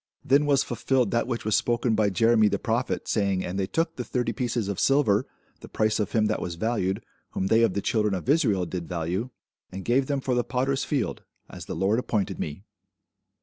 Then was fulfilled that which was spoken by Jeremy the prophet, saying, And they took the thirty pieces of silver, the price of him that was valued, whom they of the children of Israel did value; and gave them for the potter's field, as the Lord appointed me.